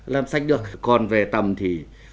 làm sạch được còn về tầm thì